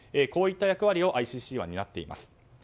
こういった役割をＩＣＣは担っています。